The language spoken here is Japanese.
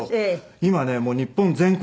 今ね日本全国